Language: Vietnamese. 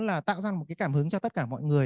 là tạo ra một cái cảm hứng cho tất cả mọi người